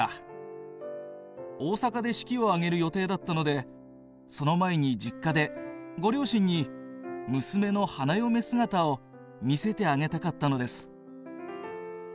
大阪で式をあげる予定だったので、その前に実家でご両親に娘の花嫁姿を見せてあげたかったのです」。